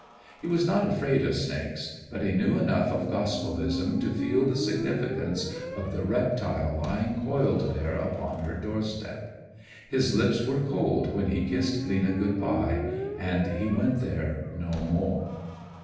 He was not afraid of snakes, but he knew enough of Gospellism to feel the significance of the reptile lying coiled there upon her doorstep. His lips were cold when he kissed Lena good by, and he went there no more.